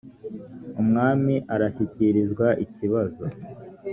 umwami arashyikirizwa ikibazo